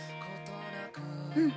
うん。